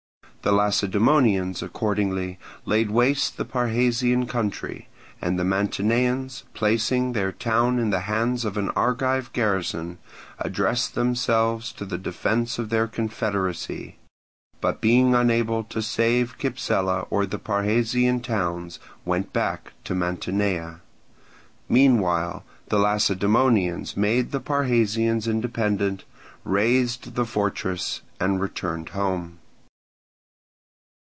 The Lacedaemonians accordingly laid waste the Parrhasian country, and the Mantineans, placing their town in the hands of an Argive garrison, addressed themselves to the defence of their confederacy, but being unable to save Cypsela or the Parrhasian towns went back to Mantinea. Meanwhile the Lacedaemonians made the Parrhasians independent, razed the fortress, and returned home.